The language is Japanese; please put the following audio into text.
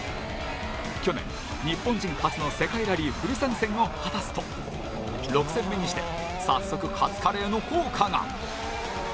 去年、日本人初の世界ラリーフル参戦を果たすと６戦目にして早速カツカレーの効果が。